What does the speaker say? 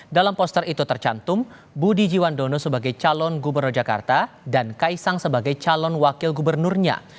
dalam poster itu tercantum budi jiwandono sebagai calon gubernur jakarta dan kaisang sebagai calon wakil gubernurnya